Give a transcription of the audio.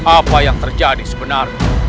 apa yang terjadi sebenarnya